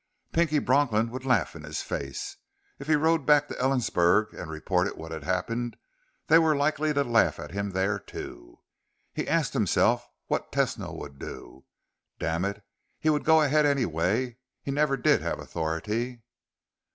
Pinky Bronklin would laugh in his face. If he rode back to Ellensburg and reported what had happened, they were likely to laugh at him there, too. He asked himself what Tesno would do. _Damn it, he would go ahead anyway. He never did have authority.